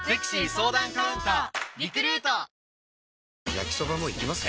焼きソバもいきます？